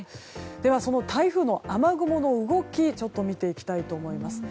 では、台風の雨雲の動きを見ていきたいと思います。